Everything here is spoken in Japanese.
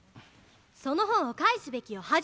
その本を返すべきよ